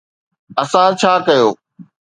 اسان ڇا ڪيو؟